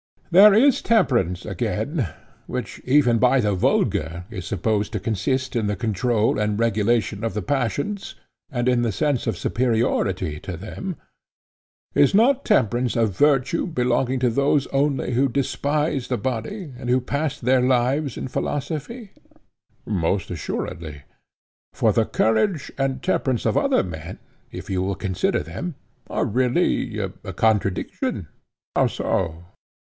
There is temperance again, which even by the vulgar is supposed to consist in the control and regulation of the passions, and in the sense of superiority to them—is not temperance a virtue belonging to those only who despise the body, and who pass their lives in philosophy? Most assuredly. For the courage and temperance of other men, if you will consider them, are really a contradiction. How so?